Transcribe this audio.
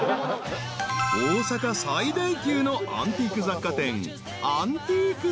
［大阪最大級のアンティーク雑貨店］